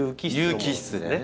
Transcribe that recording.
有機質でね。